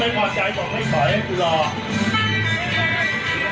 มันไม่พอใช้ผมไม่ขอให้คุณรอ